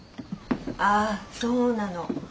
ああそうなの。